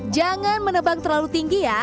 jangan menebang terlalu tinggi ya